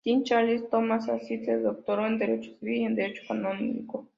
Jean-Charles Thomas, allí se doctoró en Derecho civil y en Derecho canónico.